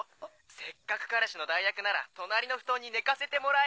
せっかく彼氏の代役なら隣の布団に寝かせてもらえよ。